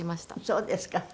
そうですか。